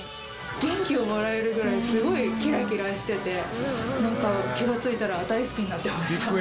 元気をもらえるぐらいすごいキラキラしててなんか気がついたら大好きになってました。